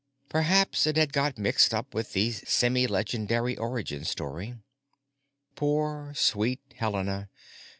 Perhaps it had got mixed up with the semilegendary origin story. Poor sweet Helena!